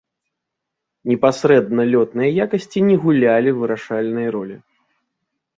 Непасрэдна лётныя якасці не гулялі вырашальнай ролі.